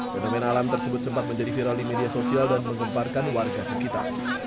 fenomena alam tersebut sempat menjadi viral di media sosial dan menggemparkan warga sekitar